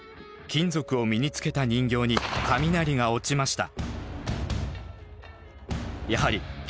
金属製品を身につけていない人形にも雷が落ちました。